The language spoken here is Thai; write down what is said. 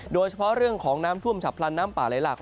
โดยเฉพาะเรื่องของน้ำท่วมฉับพลันน้ำป่าไหลหลัก